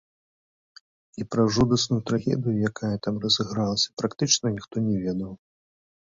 І пра жудасную трагедыю, якая там разыгралася, практычна ніхто не ведаў.